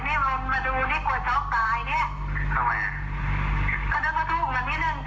เขาได้ความต้องการให้ดูไม่ได้เลยนะค่ะ